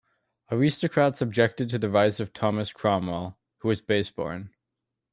Aristocrats objected to the rise of Thomas Cromwell, who was 'base born'.